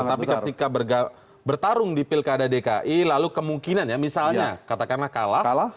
tapi ketika bertarung di pilkada dki lalu kemungkinan ya misalnya katakanlah kalah